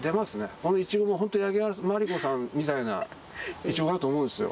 このイチゴも万理子さんみたいなイチゴだと思うんですよ。